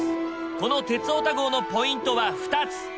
この「鉄オタ号」のポイントは２つ！